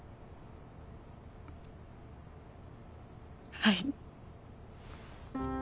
はい。